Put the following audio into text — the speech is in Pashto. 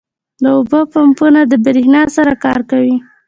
• د اوبو پمپونه د برېښنا سره کار کوي.